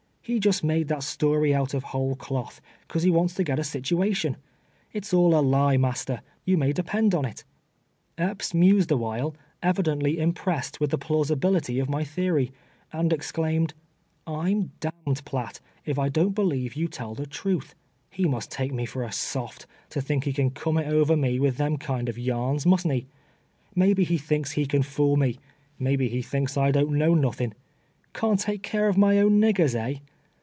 He just made that sto ry out of whole cloth, 'cause he wants to get a situa tion. It's all a lie, master, you may depend on't." Epps mused awhile, evidently impressed with the plausibility of my theory, and exclaimed, '• I'm d — d, Piatt, if I don't believe you tell the truth, lie must take me for a soft, to think he can come it over nie with them kind of yai'ns, musn't he? IMaybe he thinks ho can fool me ; maybe he thinks I don't know nothing — can't take care of my own niggers, eh